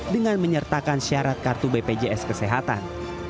dengan menyertakan syarat kartu bpjs kesehatan